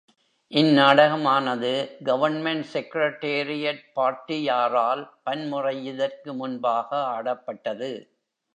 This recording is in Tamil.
இந் நாடக மானது கவர்ன்மெண்ட் செக்ரடேரியேட் பார்ட்டியாரால் பன்முறை இதற்கு முன்பாக ஆடப்பட்டது.